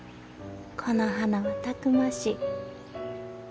この花はたくましい。